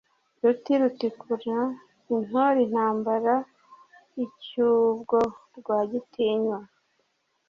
Ruti rutikura intore intambara icyubwo Rwagitinywa